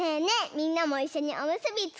みんなもいっしょにおむすびつくろう！